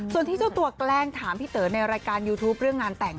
ส่วนที่เจ้าตัวแกล้งถามพี่เต๋อในรายการยูทูปเรื่องงานแต่ง